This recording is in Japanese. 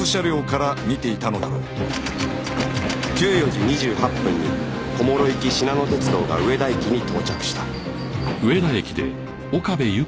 １４時２８分に小諸行きしなの鉄道が上田駅に到着した